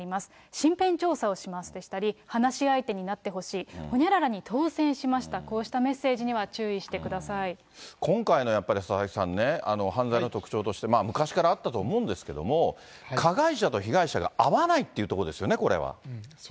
身辺調査をしますでしたり、話し相手になってほしい、ほにゃららに当せんしました、こういったメッセージには注意して今回のやっぱり、佐々木さんね、犯罪の特徴として、昔からあったと思うんですけど、加害者と被害者が会わないっていそうですね。